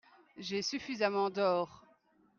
J'ai suffisamment d'or.